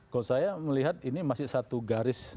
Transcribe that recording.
kalau saya melihat ini masih satu garis